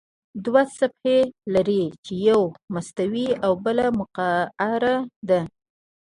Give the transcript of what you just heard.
دوه صفحې لري چې یوه مستوي او بله مقعره ده.